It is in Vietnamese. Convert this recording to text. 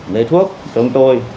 lấy thuốc cho chúng tôi